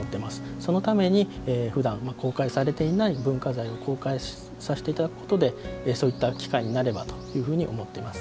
そのために、ふだん公開されていない文化財を公開させていただくことでそういった機会になればと思っています。